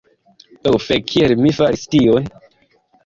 Ho fek' kiel mi faris tion